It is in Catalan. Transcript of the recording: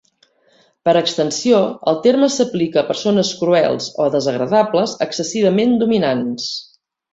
Per extensió, el terme s'aplica a persones cruels o desagradables, excessivament dominants.